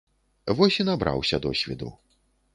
Вось і набраўся досведу.